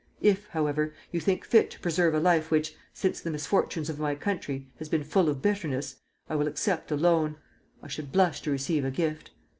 If, however, you think fit to preserve a life which, since the misfortunes of my country, has been full of bitterness, I will accept a loan. I should blush to receive a gift.